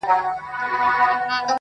تر نظر يې تېروله ټول كونجونه!.